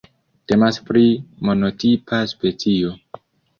Temas pri monotipa specio.